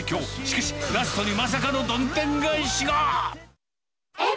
しかし、ラストにまさかのどんでん返しが。